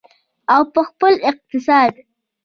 او په خپل اقتصاد.